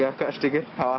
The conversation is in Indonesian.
ya agak sedikit khawatir